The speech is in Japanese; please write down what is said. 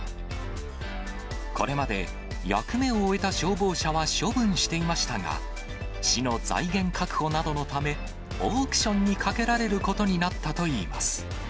これまで、役目を終えた消防車は処分していましたが、市の財源確保などのため、オークションにかけられることになったといいます。